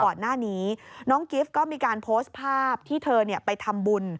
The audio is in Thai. ก่อนหน้านี้น้องกิฟต์ก็มีการโพสต์ภาพที่เธอไปทำบุญ